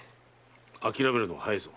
あきらめるのは早いぞ。